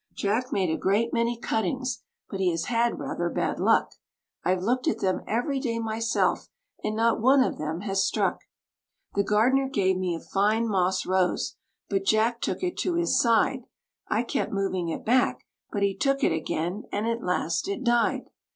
Jack made a great many cuttings, but he has had rather bad luck, I've looked at them every day myself, and not one of them has struck. The gardener gave me a fine moss rose, but Jack took it to his side, I kept moving it back, but he took it again, and at last it died.